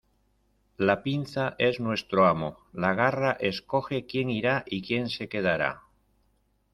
La pinza es nuestro amo. La garra escoge quién irá y quien se quedará .